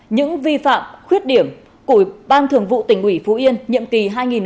những vi phạm khuyết điểm của ban thường vụ tỉnh ủy phú yên nhiệm kỳ hai nghìn một mươi năm hai nghìn hai mươi